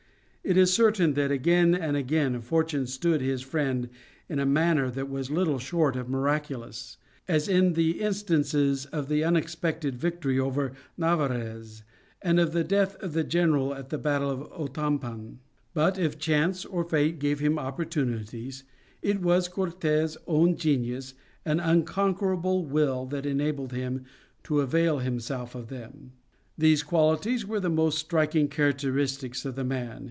It is certain that again and again fortune stood his friend in a manner that was little short of miraculous, as in the instances of the unexpected victory over Narvaez and of the death of the general at the battle of Otampan. But if chance or fate gave him opportunities it was Cortes' own genius and unconquerable will that enabled him to avail himself of them. These qualities were the most striking characteristics of the man.